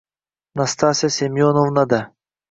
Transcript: Nastasya Semyonovna-da!